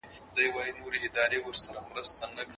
پرمختيا بايد ټولنيز عدالت تامين کړي.